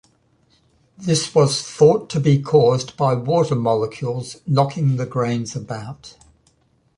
This was thought to be caused by water molecules knocking the grains about.